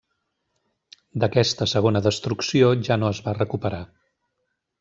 D'aquesta segona destrucció ja no es va recuperar.